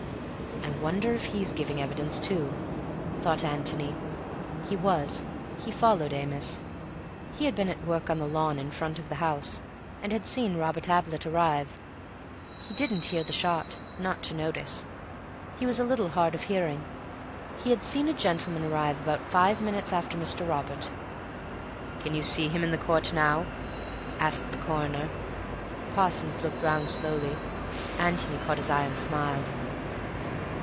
"I wonder if he's giving evidence too," thought Antony. He was. He followed Amos. He had been at work on the lawn in front of the house, and had seen Robert Ablett arrive. He didn't hear the shot—not to notice. He was a little hard of hearing. He had seen a gentleman arrive about five minutes after Mr. Robert. "Can you see him in court now?" asked the Coroner. Parsons looked round slowly. Antony caught his eye and smiled.